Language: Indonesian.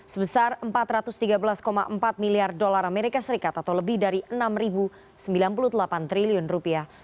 sebesar empat ratus tiga belas empat miliar dolar amerika serikat atau lebih dari enam sembilan puluh delapan triliun rupiah